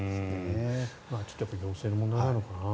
ちょっと行政の問題なのかな。